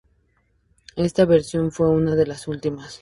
Esta versión fue una de las últimas.